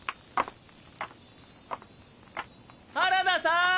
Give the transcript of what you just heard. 原田さん！